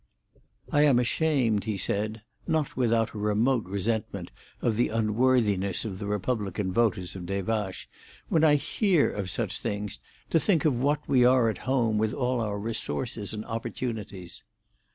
"I am ashamed," he said, not without a remote resentment of the unworthiness of the republican voters of Des Vaches, "when I hear of such things, to think of what we are at home, with all our resources and opportunities."